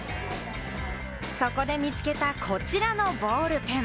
そこで見つけたこちらのボールペン。